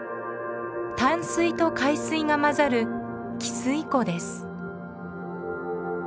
淡水と海水が混ざる汽水湖です。